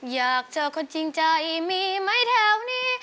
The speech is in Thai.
อยากเจอคนจริงใจมีไหมแถวนี้